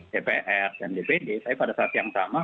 dpr dan dpd saya pada saat yang sama